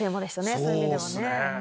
そういう意味では。